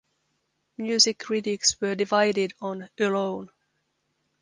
Music critics were divided on "Alone".